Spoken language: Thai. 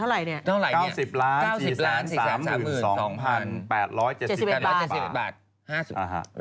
อ่าฮะแล้วมั้ย